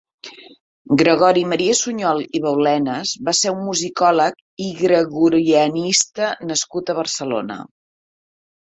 Gregori Maria Sunyol i Baulenas va ser un musicòleg i gregorianista nascut a Barcelona.